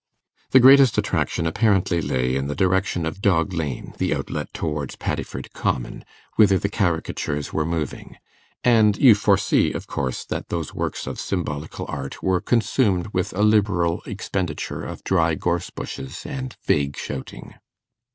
The greatest attraction apparently lay in the direction of Dog Lane, the outlet towards Paddiford Common, whither the caricatures were moving; and you foresee, of course, that those works of symbolical art were consumed with a liberal expenditure of dry gorse bushes and vague shouting.